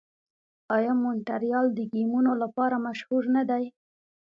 آیا مونټریال د ګیمونو لپاره مشهور نه دی؟